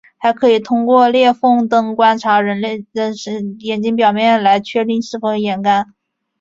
还可以通过裂缝灯观察眼睛表面来确认是否眼干。